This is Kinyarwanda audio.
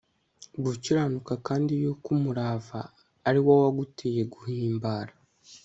gukiranuka kandi yuko umurava ari wo waguteye guhimbara